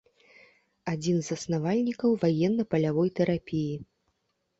Адзін з заснавальнікаў ваенна-палявой тэрапіі.